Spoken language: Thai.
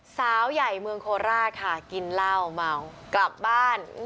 สาวใหญ่เมืองโคราชค่ะกินเหล้าเมากลับบ้าน